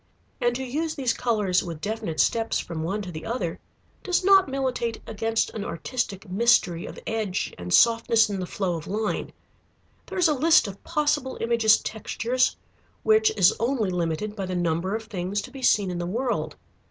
And to use these colors with definite steps from one to the other does not militate against an artistic mystery of edge and softness in the flow of line. There is a list of possible Imagist textures which is only limited by the number of things to be seen in the world.